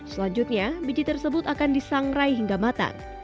selanjutnya biji tersebut akan disangrai hingga matang